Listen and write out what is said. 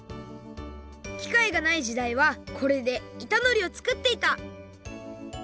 きかいがないじだいはこれでいたのりをつくっていた！